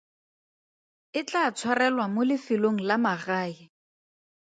E tlaa tshwarelwa mo lefelong la magae.